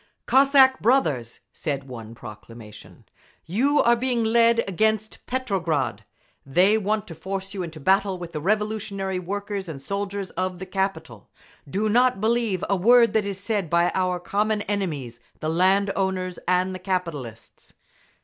Cossack brothers! (said one proclamation). You are being led against Petrograd. They want to force you into battle with the revolutionary workers and soldiers of the capital. Do not believe a word that is said by our common enemies, the land owners and the capitalists.